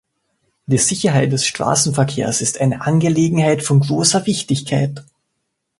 Die Sicherheit des Straßenverkehrs ist eine Angelegenheit von großer Wichtigkeit.